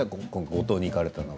五島に行かれたのは。